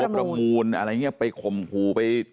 ประมูลอะไรเงี้ยไปคมภูไป